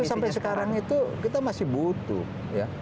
sampai sekarang itu kita masih butuh ya